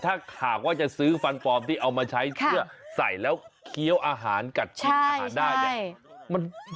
ถ้าหากว่าจะซื้อฟันปลอมที่เอามาใช้เพื่อใส่แล้วเคี้ยวอาหารกัดชิมอาหารได้เนี่ย